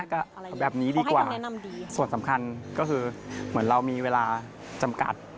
ก็แบบนี้ดีกว่าส่วนสำคัญก็คือเหมือนเรามีเวลาจำกัด